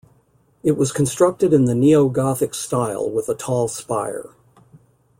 It was constructed in the neo-Gothic style with a tall spire.